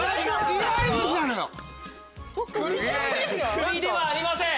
栗ではありません。